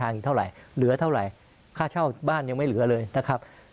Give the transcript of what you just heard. อีกเท่าไหร่เหลือเท่าไหร่ค่าเช่าบ้านยังไม่เหลือเลยนะครับ